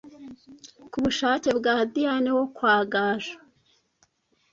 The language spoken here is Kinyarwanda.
kubushake bwa diane wo kwa gaju